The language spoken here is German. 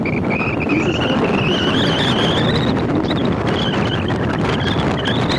Dieses wurde in gesonderten Gebäuden hinter dem Haus untergebracht.